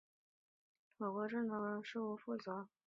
英国最高法院的行政工作并不由事务局负责。